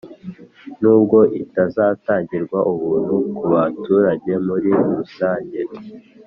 n'ubwo itazatangirwa ubuntu ku baturage muri rusange